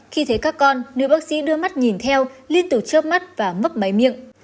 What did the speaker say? khi thấy các con nữ bác sĩ đưa mắt nhìn theo liên tục chớp mắt và mấp máy miệng